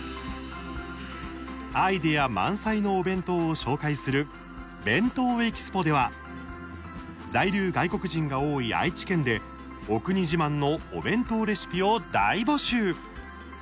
アイデア満載のお弁当を紹介する「ＢＥＮＴＯＥＸＰＯ」では在留外国人が多い愛知県でお国自慢のお弁当レシピを大募集！